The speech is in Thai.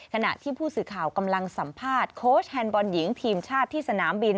ขณะที่ผู้สื่อข่าวกำลังสัมภาษณ์โค้ชแฮนดบอลหญิงทีมชาติที่สนามบิน